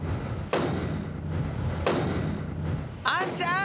あんちゃん！